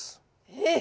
えっ！